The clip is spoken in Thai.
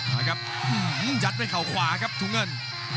มาครับยัดด้วยเขาขวาครับถุงเงิน